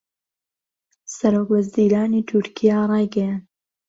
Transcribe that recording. سەرۆکوەزیرانی تورکیا رایگەیاند